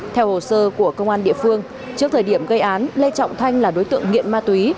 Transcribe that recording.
theo hồ sơ của công an địa phương trước thời điểm gây án lê trọng thanh là đối tượng nghiện ma túy